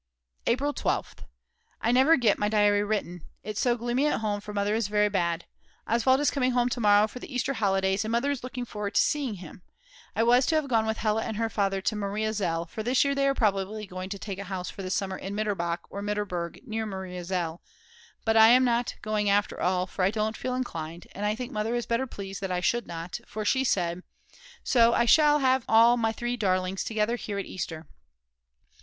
April 12th. I never get my diary written. It's so gloomy at home for Mother is very bad. Oswald is coming home to morrow for the Easter holidays and Mother is looking forward so to seeing him. I was to have gone with Hella and her father to Maria Zell, for this year they are probably going to take a house for the summer in Mitterbach or Mitterberg near Maria Zell. But I am not going after all, for I don't feel inclined, and I think Mother is better pleased that I should not; for she said: "So I shall have all my three darlings together here at Easter."